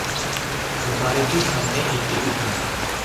বাড়িটির সামনে একটি উঠান।